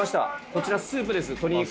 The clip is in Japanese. こちらスープです。